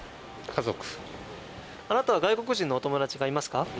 家族あなたは外国人のお友達がいますか？